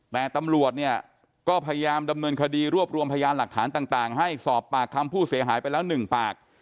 แต่ตำรวจเนี่ยก็พยายามดำเนินคดีรวบรวมพยานหลักฐานต่างให้สอบปากคำผู้เสียหายไปแล้ว๑ปาก